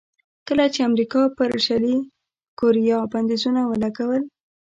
کله چې امریکا پر شلي کوریا بندیزونه ولګول.